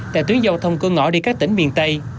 tại tuyến giao thông cửa ngõ đi các tỉnh miền tây